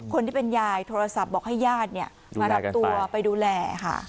คนที่เป็นยายโทรศัพท์บอกให้ญาติมารับตัวไปดูแลค่ะ